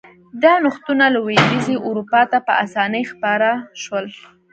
دا نوښتونه لوېدیځې اروپا ته په اسانۍ خپاره شول.